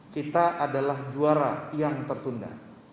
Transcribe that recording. kita adalah juara yang tertunda